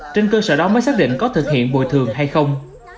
trên cơ sở đó mới xác định có thực hiện bồi thường hay không